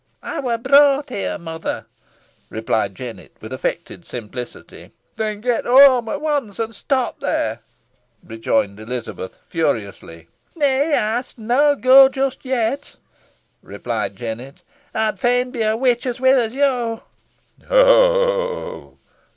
"Ey wur brought here, mother," replied Jennet, with affected simplicity. "Then get whoam at once, and keep there," rejoined Elizabeth, furiously. "Nay, eyst nah go just yet," replied Jennet. "Ey'd fain be a witch as weel as yo." "Ho! ho! ho!"